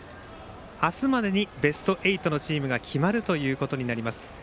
明日までにベスト８のチームが決まることになります。